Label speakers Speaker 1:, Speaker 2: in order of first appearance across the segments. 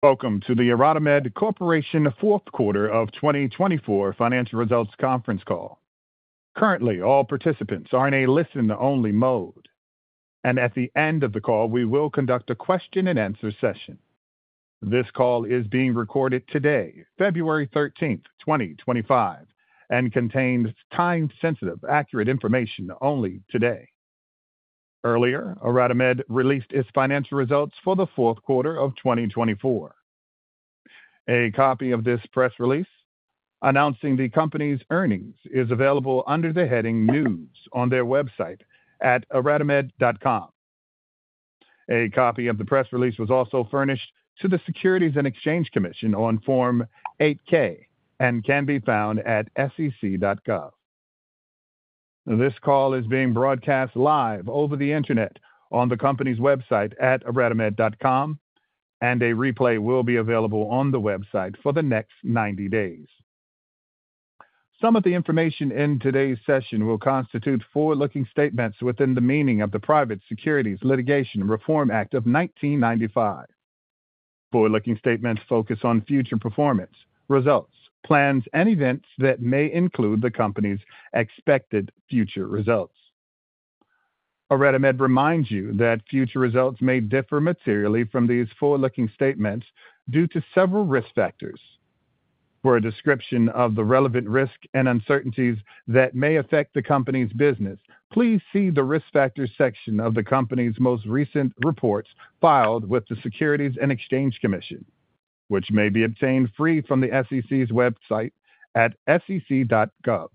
Speaker 1: Welcome to the IRadimed Corporation Fourth Quarter of 2024 Financial Results Conference Call. Currently, all participants are in a listen-only mode, and at the end of the call, we will conduct a question-and-answer session. This call is being recorded today, February 13, 2025, and contains time-sensitive, accurate information only today. Earlier, IRadimed released its financial results for the fourth quarter of 2024. A copy of this press release announcing the company's earnings is available under the heading News on their website at iradimed.com. A copy of the press release was also furnished to the Securities and Exchange Commission on Form 8-K and can be found at sec.gov. This call is being broadcast live over the internet on the company's website at iradimed.com, and a replay will be available on the website for the next 90 days. Some of the information in today's session will constitute forward-looking statements within the meaning of the Private Securities Litigation Reform Act of 1995. Forward-looking statements focus on future performance, results, plans, and events that may include the company's expected future results. IRadimed reminds you that future results may differ materially from these forward-looking statements due to several risk factors. For a description of the relevant risks and uncertainties that may affect the company's business, please see the risk factors section of the company's most recent reports filed with the Securities and Exchange Commission, which may be obtained free from the SEC's website at sec.gov.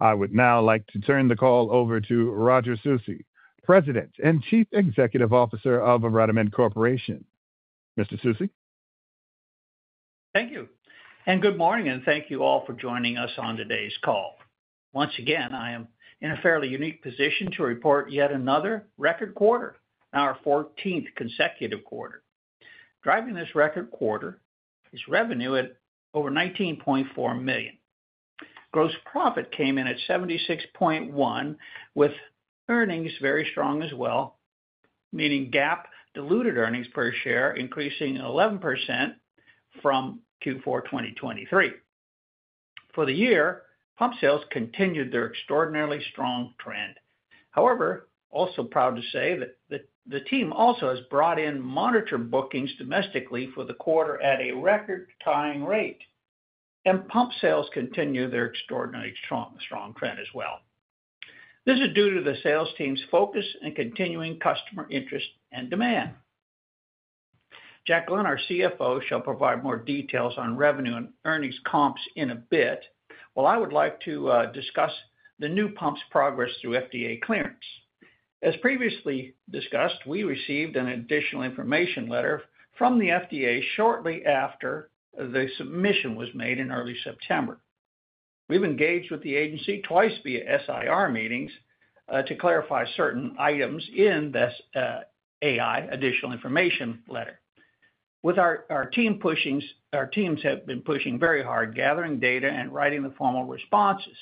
Speaker 1: I would now like to turn the call over to Roger Susi, President and Chief Executive Officer of IRadimed Corporation. Mr. Susi.
Speaker 2: Thank you, and good morning, and thank you all for joining us on today's call. Once again, I am in a fairly unique position to report yet another record quarter, our 14th consecutive quarter. Driving this record quarter is revenue at over $19.4 million. Gross margin came in at 76.1%, with earnings very strong as well, meaning GAAP diluted earnings per share increasing 11% from Q4 2023. For the year, pump sales continued their extraordinarily strong trend. However, I'm also proud to say that the team also has brought in monitor bookings domestically for the quarter at a record-tying rate, and pump sales continue their extraordinarily strong trend as well. This is due to the sales team's focus and continuing customer interest and demand. Jack Glenn, our CFO, shall provide more details on revenue and earnings comps in a bit, while I would like to discuss the new pumps' progress through FDA clearance. As previously discussed, we received an additional information letter from the FDA shortly after the submission was made in early September. We've engaged with the agency twice via SIR meetings to clarify certain items in this AI additional information letter. Our teams have been pushing very hard, gathering data and writing the formal responses.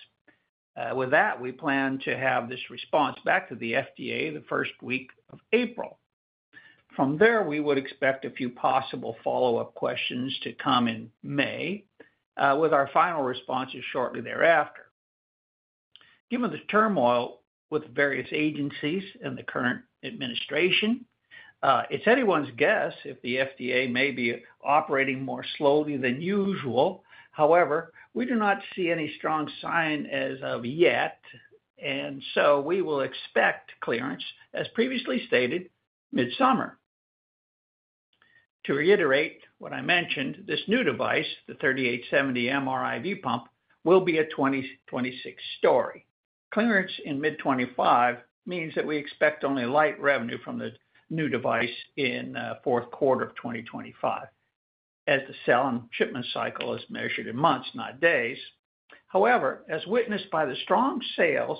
Speaker 2: With that, we plan to have this response back to the FDA the first week of April. From there, we would expect a few possible follow-up questions to come in May, with our final responses shortly there after. Given the turmoil with various agencies and the current administration, it's anyone's guess if the FDA may be operating more slowly than usual. However, we do not see any strong sign as of yet, and so we will expect clearance, as previously stated, mid-summer. To reiterate what I mentioned, this new device, the 3870 MR IV pump, will be a 2026 story. Clearance in mid-2025 means that we expect only light revenue from the new device in the fourth quarter of 2025, as the sell and shipment cycle is measured in months, not days. However, as witnessed by the strong sales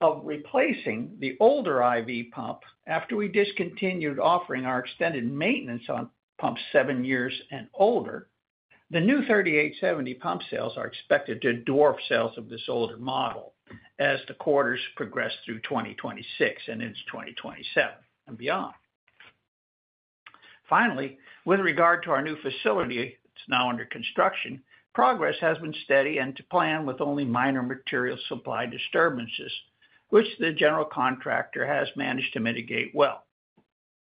Speaker 2: of replacing the older IV pump after we discontinued offering our extended maintenance on pumps seven years and older, the new 3870 pump sales are expected to dwarf sales of this older model as the quarters progress through 2026 and into 2027 and beyond. Finally, with regard to our new facility, it's now under construction. Progress has been steady and to plan with only minor material supply disturbances, which the general contractor has managed to mitigate well.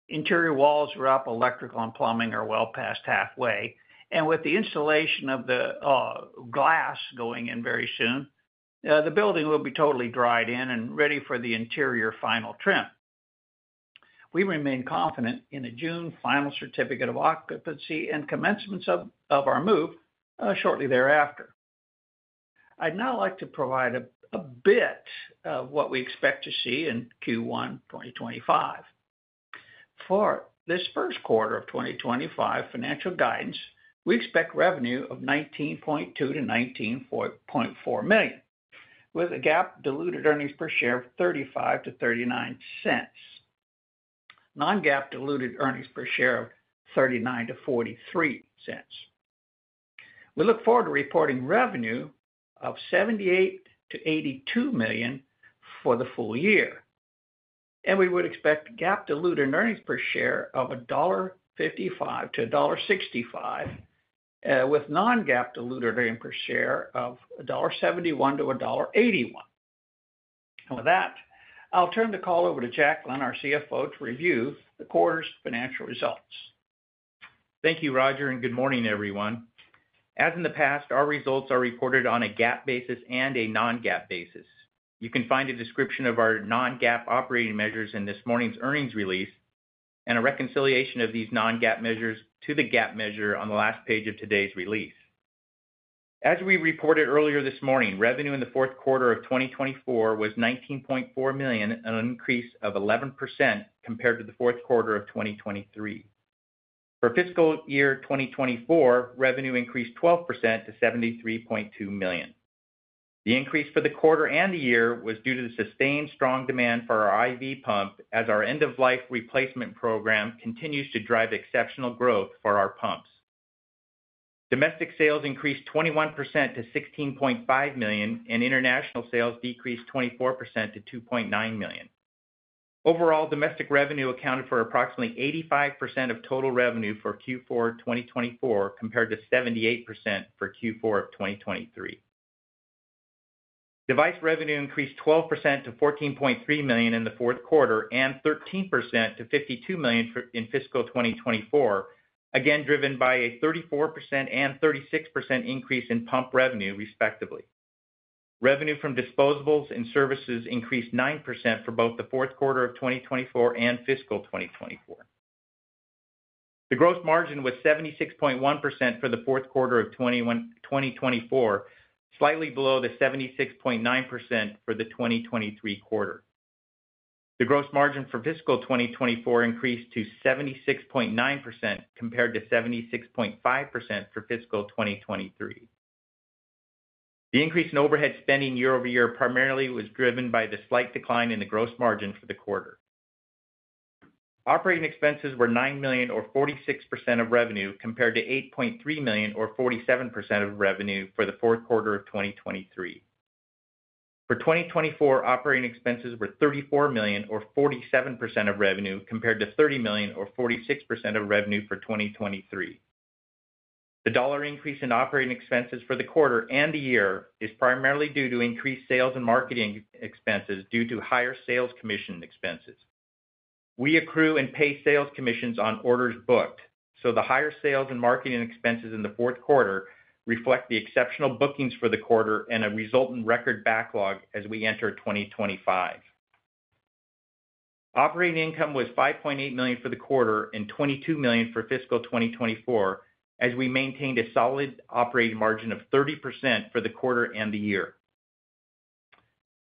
Speaker 2: Interior walls are up, electrical and plumbing are well past halfway, and with the installation of the glass going in very soon, the building will be totally dried in and ready for the interior final trim. We remain confident in a June final Certificate of Occupancy and commencements of our move shortly thereafter. I'd now like to provide a bit of what we expect to see in Q1 2025. For this first quarter of 2025 financial guidance, we expect revenue of $19.2 to $19.4 million, with a GAAP-diluted earnings per share of $0.35-$0.39, non-GAAP-diluted earnings per share of $0.39-$0.43. We look forward to reporting revenue of $78-$82 million for the full year, and we would expect GAAP-diluted earnings per share of $1.55-$1.65, with non-GAAP-diluted earnings per share of $1.71-$1.81. With that, I'll turn the call over to Jack Glenn, our CFO, to review the quarter's financial results.
Speaker 3: Thank you, Roger, and good morning, everyone. As in the past, our results are reported on a GAAP basis and a non-GAAP basis. You can find a description of our non-GAAP operating measures in this morning's earnings release and a reconciliation of these non-GAAP measures to the GAAP measure on the last page of today's release. As we reported earlier this morning, revenue in the fourth quarter of 2024 was $19.4 million, an increase of 11% compared to the fourth quarter of 2023. For fiscal year 2024, revenue increased 12% to $73.2 million. The increase for the quarter and the year was due to the sustained strong demand for our IV pump, as our end-of-life replacement program continues to drive exceptional growth for our pumps. Domestic sales increased 21% to $16.5 million, and international sales decreased 24% to $2.9 million. Overall, domestic revenue accounted for approximately 85% of total revenue for Q4 2024, compared to 78% for Q4 of 2023. Device revenue increased 12% to $14.3 million in the fourth quarter and 13% to $52 million in fiscal 2024, again driven by a 34% and 36% increase in pump revenue, respectively. Revenue from disposables and services increased 9% for both the fourth quarter of 2024 and fiscal 2024. The gross margin was 76.1% for the fourth quarter of 2024, slightly below the 76.9% for the 2023 quarter. The gross margin for fiscal 2024 increased to 76.9% compared to 76.5% for fiscal 2023. The increase in overhead spending year-over-year primarily was driven by the slight decline in the gross margin for the quarter. Operating expenses were $9 million, or 46% of revenue, compared to $8.3 million, or 47% of revenue, for the fourth quarter of 2023. For 2024, operating expenses were $34 million, or 47% of revenue, compared to $30 million, or 46% of revenue for 2023. The dollar increase in operating expenses for the quarter and the year is primarily due to increased sales and marketing expenses due to higher sales commission expenses. We accrue and pay sales commissions on orders booked, so the higher sales and marketing expenses in the fourth quarter reflect the exceptional bookings for the quarter and a resultant record backlog as we enter 2025. Operating income was $5.8 million for the quarter and $22 million for fiscal 2024, as we maintained a solid operating margin of 30% for the quarter and the year.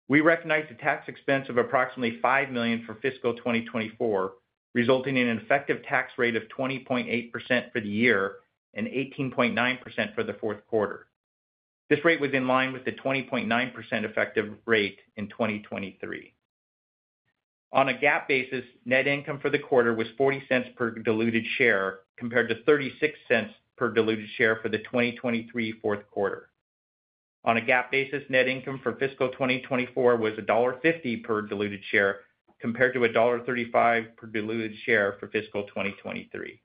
Speaker 3: We recognize the tax expense of approximately $5 million for fiscal 2024, resulting in an effective tax rate of 20.8% for the year and 18.9% for the fourth quarter. This rate was in line with the 20.9% effective rate in 2023. On a GAAP basis, net income for the quarter was $0.40 per diluted share, compared to $0.36 per diluted share for the 2023 fourth quarter. On a GAAP basis, net income for fiscal 2024 was $1.50 per diluted share, compared to $1.35 per diluted share for fiscal 2023.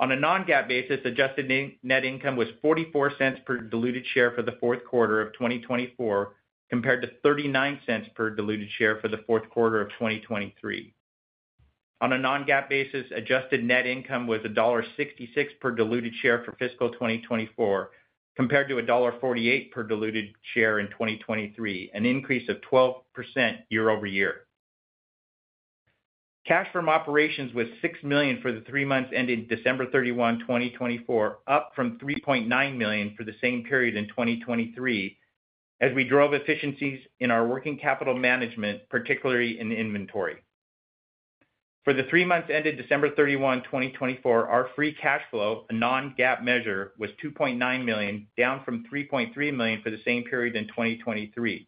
Speaker 3: On a non-GAAP basis, adjusted net income was $0.44 per diluted share for the fourth quarter of 2024, compared to $0.39 per diluted share for the fourth quarter of 2023. On a non-GAAP basis, adjusted net income was $1.66 per diluted share for fiscal 2024, compared to $1.48 per diluted share in 2023, an increase of 12% year-over-year. Cash from operations was $6 million for the three months ending December 31, 2024, up from $3.9 million for the same period in 2023, as we drove efficiencies in our working capital management, particularly in inventory. For the three months ended December 31, 2024, our free cash flow, a non-GAAP measure, was $2.9 million, down from $3.3 million for the same period in 2023.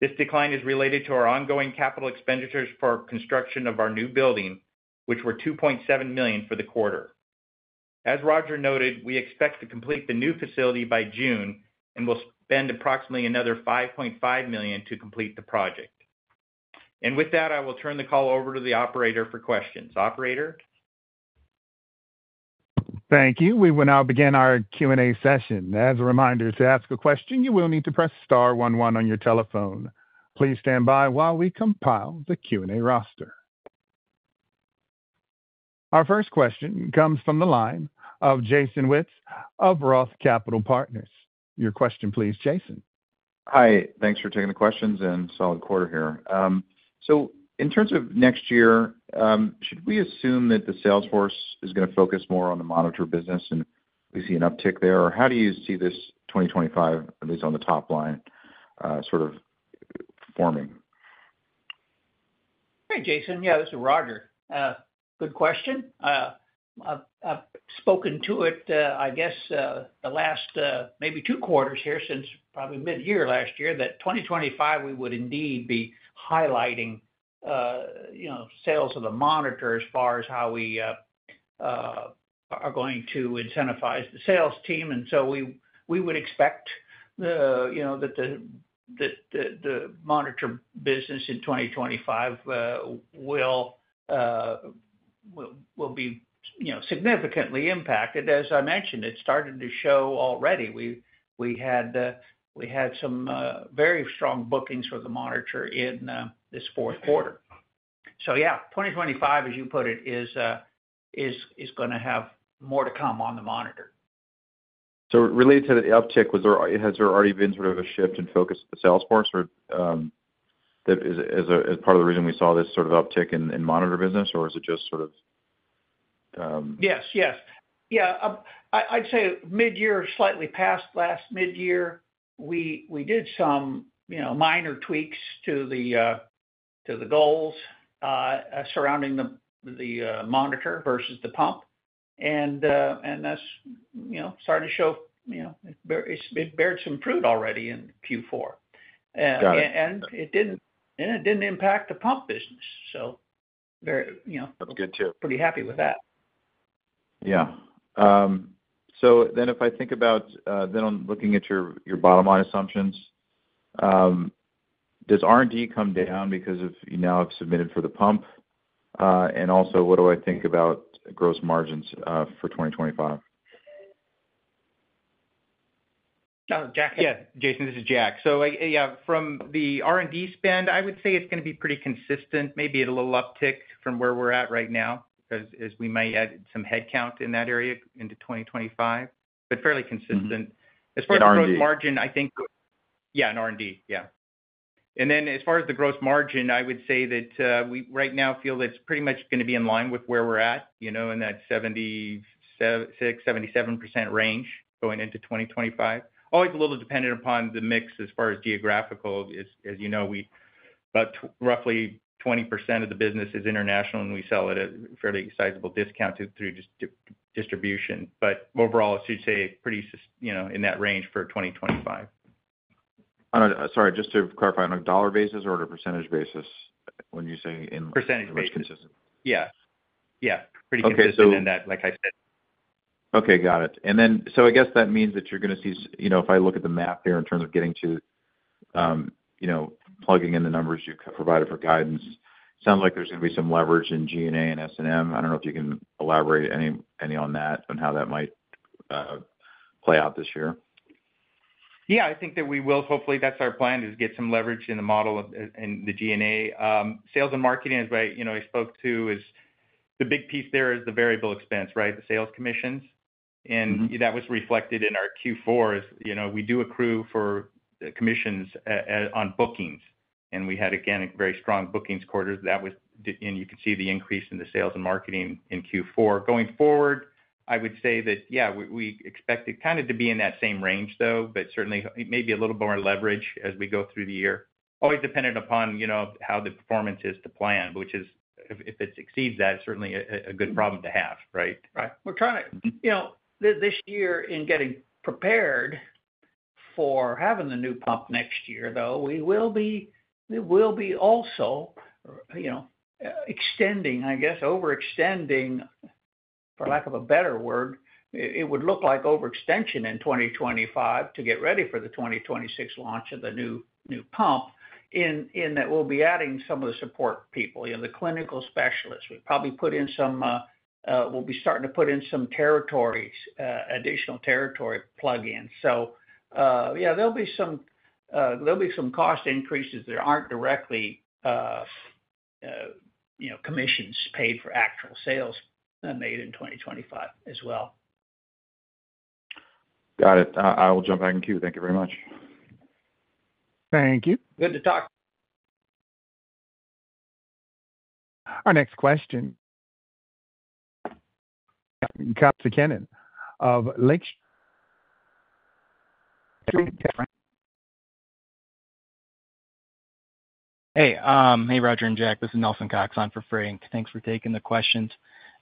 Speaker 3: This decline is related to our ongoing capital expenditures for construction of our new building, which were $2.7 million for the quarter. As Roger noted, we expect to complete the new facility by June and will spend approximately another $5.5 million to complete the project. With that, I will turn the call over to the operator for questions. Operator.
Speaker 1: Thank you. We will now begin our Q&A session. As a reminder, to ask a question, you will need to press star one one on your telephone. Please stand by while we compile the Q&A roster. Our first question comes from the line of Jason Wittes of Roth Capital Partners. Your question, please, Jason.
Speaker 4: Hi. Thanks for taking the questions and solid quarter here. So in terms of next year, should we assume that the salesforce is going to focus more on the monitor business and we see an uptick there? Or how do you see this 2025, at least on the top line, sort of forming?
Speaker 2: Hey, Jason. Yeah, this is Roger. Good question. I've spoken to it, I guess, the last maybe two quarters here since probably mid-year last year, that 2025 we would indeed be highlighting sales of the monitor as far as how we are going to incentivize the sales team. And so we would expect that the monitor business in 2025 will be significantly impacted. As I mentioned, it started to show already. We had some very strong bookings for the monitor in this fourth quarter. So yeah, 2025, as you put it, is going to have more to come on the monitor.
Speaker 4: So related to the uptick, has there already been sort of a shift in focus of the salesforce as part of the reason we saw this sort of uptick in monitor business, or is it just sort of?
Speaker 2: Yes, yes. Yeah, I'd say mid-year, slightly past last mid-year, we did some minor tweaks to the goals surrounding the monitor versus the pump, and that's started to show it's borne some fruit already in Q4, and it didn't impact the pump business, so we're pretty happy with that.
Speaker 4: Yeah. So then, if I think about on looking at your bottom line assumptions, does R&D come down because you now have submitted for the pump? And also, what do I think about gross margins for 2025?
Speaker 3: Jack? Yeah, Jason, this is Jack. So yeah, from the R&D spend, I would say it's going to be pretty consistent. Maybe a little uptick from where we're at right now, as we might add some headcount in that area into 2025, but fairly consistent. As far as gross margin, I think. In R&D? Yeah, in R&D. Yeah. And then as far as the gross margin, I would say that we right now feel it's pretty much going to be in line with where we're at in that 76% to 77% range going into 2025. Always a little dependent upon the mix as far as geographical. As you know, about roughly 20% of the business is international, and we sell at a fairly sizable discount through distribution. But overall, I should say pretty in that range for 2025.
Speaker 4: Sorry, just to clarify, on a dollar basis or a percentage basis when you say in?
Speaker 3: Percentage basis.
Speaker 4: Or it's consistent?
Speaker 3: Yeah. Yeah, pretty consistent in that, like I said.
Speaker 4: Okay. Got it. And then so I guess that means that you're going to see if I look at the math here in terms of getting to plugging in the numbers you provided for guidance, it sounds like there's going to be some leverage in G&A and S&M. I don't know if you can elaborate any on that and how that might play out this year.
Speaker 3: Yeah, I think that we will. Hopefully, that's our plan, is get some leverage in the model in the G&A. Sales and marketing, as I spoke to, is the big piece there is the variable expense, right? The sales commissions. And that was reflected in our Q4. We do accrue for commissions on bookings. And we had, again, a very strong bookings quarter. And you can see the increase in the sales and marketing in Q4. Going forward, I would say that, yeah, we expect it kind of to be in that same range, though, but certainly maybe a little more leverage as we go through the year. Always dependent upon how the performance is to plan, which is if it exceeds that, certainly a good problem to have, right?
Speaker 2: Right. We're trying to this year in getting prepared for having the new pump next year, though we will be also extending, I guess, overextending, for lack of a better word. It would look like overextension in 2025 to get ready for the 2026 launch of the new pump in that we'll be adding some of the support people, the clinical specialists. We'll probably put in some territories, additional territory plug-ins. So yeah, there'll be some cost increases. There aren't directly commissions paid for actual sales made in 2025 as well.
Speaker 4: Got it. I will jump back in queue. Thank you very much.
Speaker 3: Thank you.
Speaker 2: Good to talk.
Speaker 1: Our next question, of Frank Takkinen from Lake Street.
Speaker 5: Hey. Hey, Roger and Jack. This is Nelson Cox on for Frank. Thanks for taking the questions.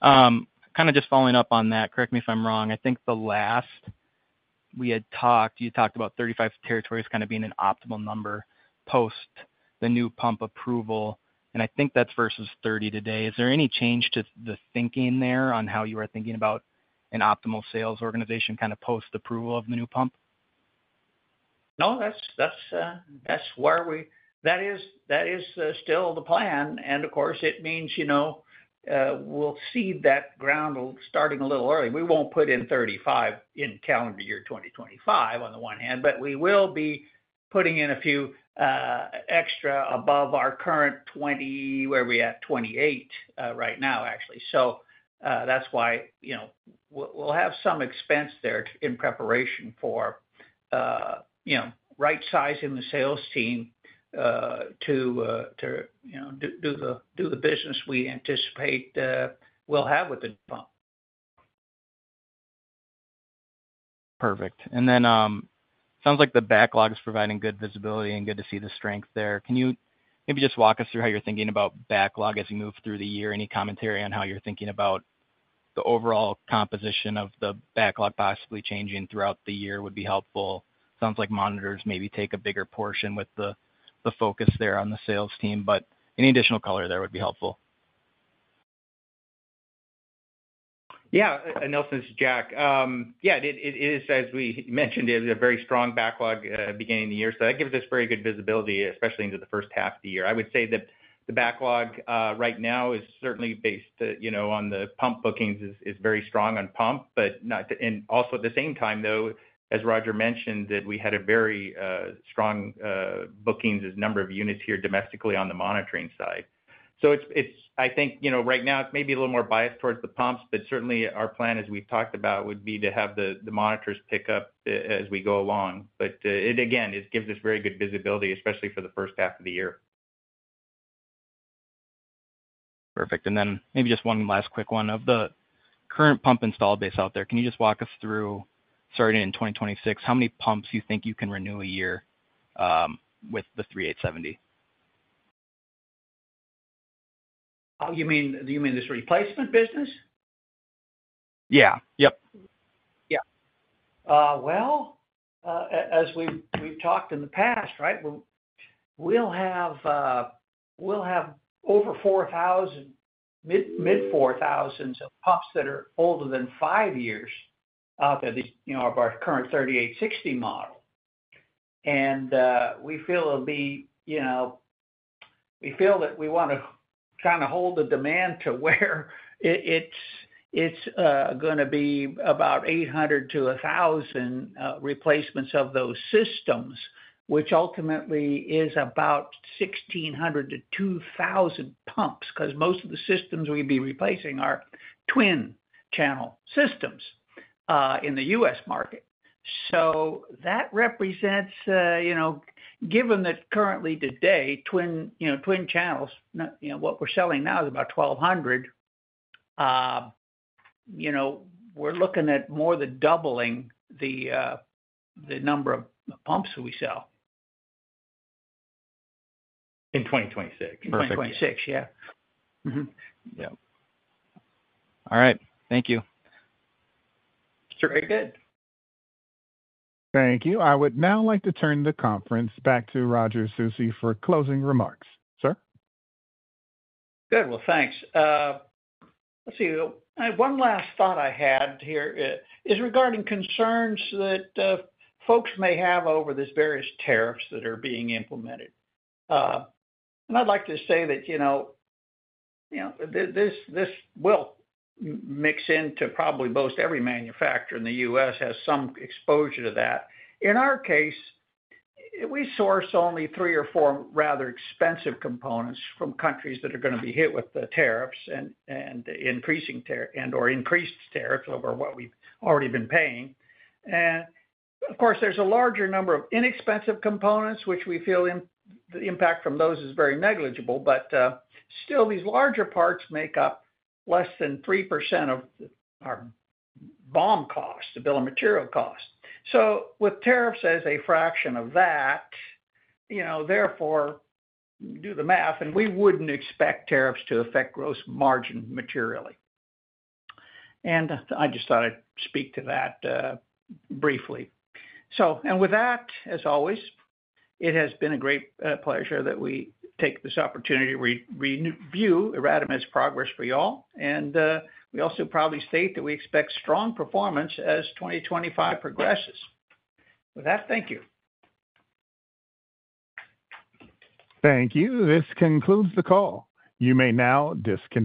Speaker 5: Kind of just following up on that, correct me if I'm wrong. I think the last we had talked, you talked about 35 territories kind of being an optimal number post the new pump approval. And I think that's versus 30 today. Is there any change to the thinking there on how you are thinking about an optimal sales organization kind of post-approval of the new pump?
Speaker 2: No, that's where we, that is, still the plan. And of course, it means we'll seed that ground starting a little early. We won't put in 35 in calendar year 2025 on the one hand, but we will be putting in a few extra above our current 20. Where are we at? 28 right now, actually. So that's why we'll have some expense there in preparation for right-sizing the sales team to do the business we anticipate we'll have with the new pump.
Speaker 5: Perfect. And then it sounds like the backlog is providing good visibility and good to see the strength there. Can you maybe just walk us through how you're thinking about backlog as you move through the year? Any commentary on how you're thinking about the overall composition of the backlog possibly changing throughout the year would be helpful. Sounds like monitors maybe take a bigger portion with the focus there on the sales team. But any additional color there would be helpful.
Speaker 3: Yeah. This is Jack. Yeah, it is, as we mentioned, a very strong backlog beginning of the year. So that gives us very good visibility, especially into the first half of the year. I would say that the backlog right now is certainly based on the pump bookings is very strong on pump. But also at the same time, though, as Roger mentioned, that we had a very strong bookings as number of units here domestically on the monitoring side. So I think right now it's maybe a little more biased towards the pumps, but certainly our plan, as we've talked about, would be to have the monitors pick up as we go along. But again, it gives us very good visibility, especially for the first half of the year.
Speaker 5: Perfect. And then maybe just one last quick one on the current pump installed base out there. Can you just walk us through, starting in 2026, how many pumps you think you can renew a year with the 3870?
Speaker 2: You mean this replacement business?
Speaker 5: Yeah. Yep.
Speaker 2: Yeah. Well, as we've talked in the past, right, we'll have over 4,000, mid-4,000s of pumps that are older than five years out of our current 3860 model. And we feel that we want to kind of hold the demand to where it's going to be about 800-1,000 replacements of those systems, which ultimately is about 1,600-2,000 pumps, because most of the systems we'd be replacing are twin-channel systems in the U.S. market. So that represents, given that currently today, twin channels, what we're selling now is about 1,200. We're looking at more than doubling the number of pumps we sell.
Speaker 3: In 2026.
Speaker 2: 2026, yeah.
Speaker 5: Yep. All right. Thank you.
Speaker 2: It's very good.
Speaker 1: Thank you. I would now like to turn the conference back to Roger Susi for closing remarks. Sir?
Speaker 2: Good. Well, thanks. Let's see. One last thought I had here is regarding concerns that folks may have over these various tariffs that are being implemented. And I'd like to say that this will mix into probably most every manufacturer in the U.S. has some exposure to that. In our case, we source only three or four rather expensive components from countries that are going to be hit with the tariffs and increasing and/or increased tariffs over what we've already been paying. And of course, there's a larger number of inexpensive components, which we feel the impact from those is very negligible. But still, these larger parts make up less than 3% of our BOM cost, the bill of material cost. So with tariffs as a fraction of that, therefore, do the math, and we wouldn't expect tariffs to affect gross margin materially. I just thought I'd speak to that briefly. With that, as always, it has been a great pleasure that we take this opportunity to view IRadimed's progress for y'all. We also proudly state that we expect strong performance as 2025 progresses. With that, thank you.
Speaker 1: Thank you. This concludes the call. You may now disconnect.